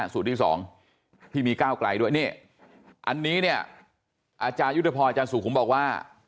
สูตรที่๒ที่มีก้าวไกลด้วยนี่อันนี้เนี่ยอาจารยุทธพรอาจารย์สุขุมบอกว่า